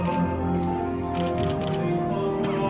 สวัสดีครับทุกคน